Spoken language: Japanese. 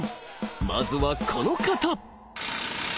まずはこの方！